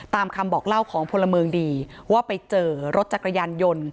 ตามคำบอกเล่าของพลเมืองดีว่าไปเจอรถจักรยานยนต์